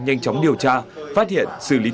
nhanh chóng điều tra phát hiện xử lý